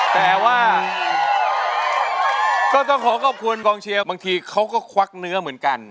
แต่ว่าก็ต้องขอขอบคุณกองเชียร์บางทีเขาก็ควักเนื้อเหมือนกัน